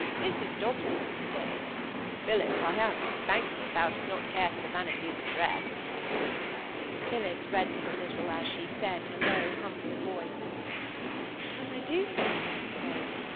Mrs Dobson to day—Phillis, I am thankful thou dost not care for the vanities of dress!" Phillis reddened a little as she said, in a low humble voice,— "But I do, father, I'm afraid.